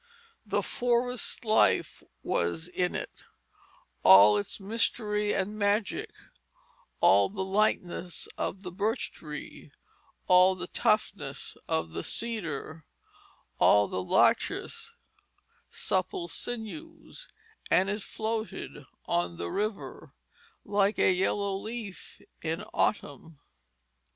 the forest's life was in it, All its mystery and magic, All the lightness of the birch tree, All the toughness of the cedar, All the larch's supple sinews, And it floated on the river Like a yellow leaf in autumn."